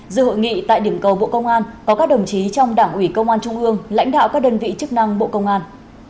dự hội nghị tại điểm cầu bộ công an có các đồng chí trong đảng ủy công an trung ương lãnh đạo các đơn vị chức năng bộ công an